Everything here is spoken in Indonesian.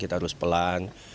kita harus pelan